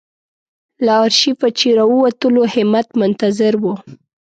له آرشیفه چې راووتلو همت منتظر و.